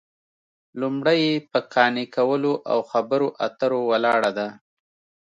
لومړۍ یې په قانع کولو او خبرو اترو ولاړه ده